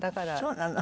そうなの？